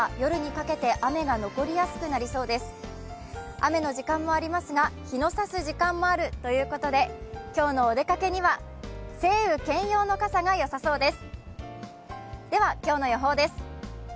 雨の時間もありますが日の差す時間もあるということで今日のお出かけには晴雨兼用の傘がよさそうです。